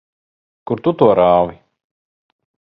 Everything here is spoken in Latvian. Kur tu to rāvi?